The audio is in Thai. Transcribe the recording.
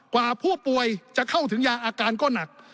กว่าผู้ป่วยจะเข้าถึงยาอาการก็หนัก